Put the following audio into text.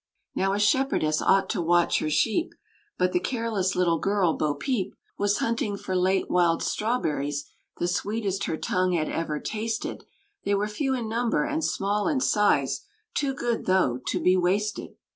Now, a shepherdess ought to watch her sheep; But the careless little girl, Bo Peep, Was hunting for late wild strawberries, The sweetest her tongue had ever tasted; They were few in number, and small in size, Too good, though, to be wasted.